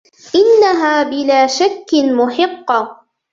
إنها بلا شك محقة.